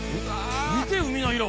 見て海の色！